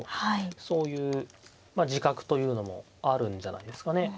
そういう自覚というのもあるんじゃないですかね。